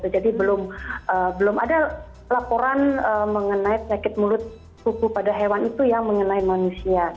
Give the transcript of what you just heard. jadi belum ada laporan mengenai penyakit mulut kuku pada hewan itu yang mengenai manusia